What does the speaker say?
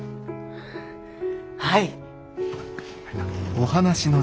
はい！